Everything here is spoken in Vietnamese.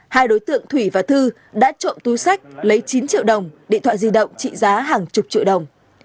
hai đối tượng thủy và thư đã trộm túi sách lấy chín triệu đồng điện thoại di động trị giá hàng chục triệu đồng